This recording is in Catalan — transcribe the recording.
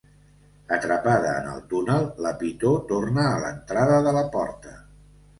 Atrapada en el túnel, la pitó torna a l'entrada de la porta.